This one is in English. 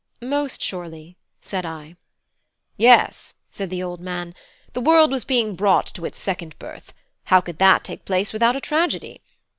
"Most surely," said I. "Yes," said the old man, "the world was being brought to its second birth; how could that take place without a tragedy?